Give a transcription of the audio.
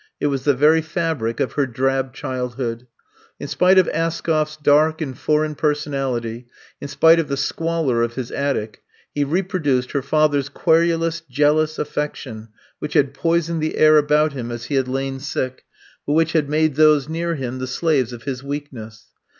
It was the very fabric of her drab childhood. In spite of Askoff 's dark and foreign per sonality, in spite of the squalor of his attic, he reproduced her father's querulous jeal ous affection which had poisoned the air about him as he had lain sick, but which had made those near him the slaves of his weakness.